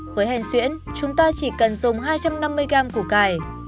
với hèn xuyễn chúng ta chỉ cần dùng hai trăm năm mươi gram củ cải